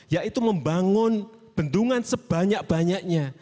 yaitu membangun bendungan sebanyak banyaknya